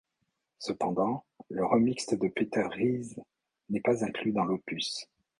Cependant, le remix de Peter Ries, n'est pas inclus dans l'opus.